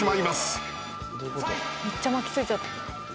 めっちゃ巻きついちゃって。